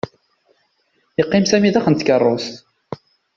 Yeqqim Sami daxel n tkarust.